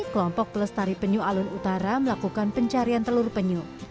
kelompok pelestari penyu alun utara melakukan pencarian telur penyu